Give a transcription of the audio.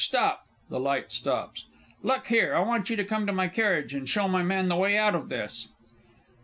stop! (THE LIGHT STOPS.) Look here I want you to come to my carriage, and show my man the way out of this!